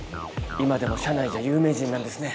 今でも社内じゃ有名人なんですね。